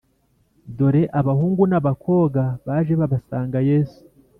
Dore abahungu n’ abakobwa baje babasanga yesu.